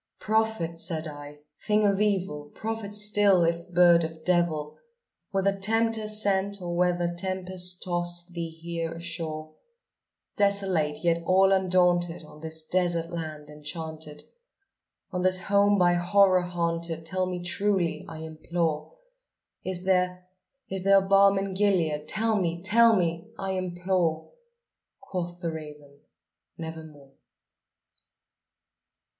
"Prophet!" said I, "thing of evil! prophet still, if bird or devil! Whether Tempter sent, or whether tempest tossed thee here ashore, Desolate yet all undaunted, on this desert land enchanted On this home by Horror haunted tell me truly, I implore Is there is there balm in Gilead? tell me tell me, I implore!" Quoth the raven, "Nevermore."